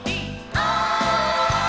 「おい！」